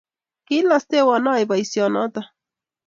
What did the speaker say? Kiilosteiwon aib boisionoto.